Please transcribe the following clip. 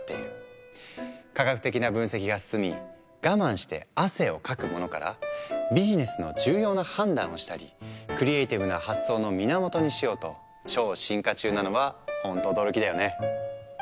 科学的な分析が進み我慢して汗をかくものからビジネスの重要な判断をしたりクリエーティブな発想の源にしようと超進化中なのはホント驚きだよね。